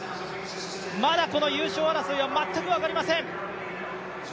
まだこの優勝争いは全く分かりません。